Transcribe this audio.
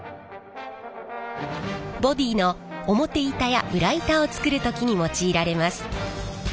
ボディーの表板や裏板を作る時に用いられます。